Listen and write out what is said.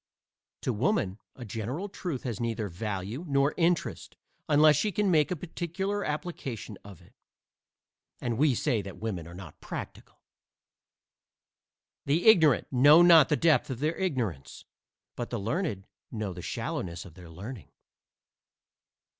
To woman a general truth has neither value nor interest unless she can make a particular application of it. And we say that women are not practical! The ignorant know not the depth of their ignorance, but the learned know the shallowness of their learning.